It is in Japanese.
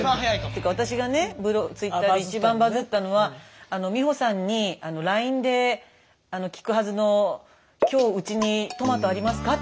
てか私がねＴｗｉｔｔｅｒで一番バズったのは美穂さんにＬＩＮＥで聞くはずの今日うちにトマトありますか？